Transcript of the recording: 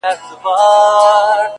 زما سجده دي ستا د هيلو د جنت مخته وي؛